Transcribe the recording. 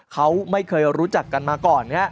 เขาไม่เคยรู้จักกันมาก่อน